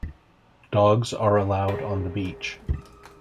Dogs are allowed on the beach.